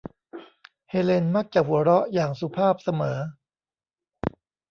เฮเลนมักจะหัวเราะอย่างสุภาพเสมอ